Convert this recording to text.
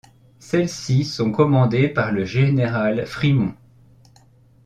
Celles-ci sont commandées par le général Frimont.